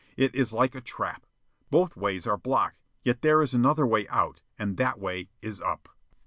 It is like a trap. Both ways are blocked. Yet there is another way out, and that way is up.